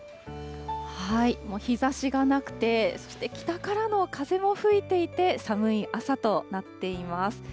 日ざしがなくて、そして北からの風も吹いていて、寒い朝となっています。